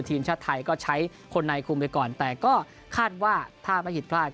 ทีมชาติไทยก็ใช้คนในคุมไปก่อนแต่ก็คาดว่าถ้าไม่ผิดพลาด